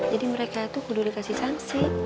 jadi mereka tuh kudu dikasih sanksi